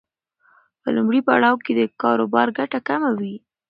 په لومړي پړاو کې د کاروبار ګټه کمه وي.